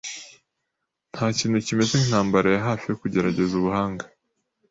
Ntakintu kimeze nkintambara ya hafi yo kugerageza ubuhanga.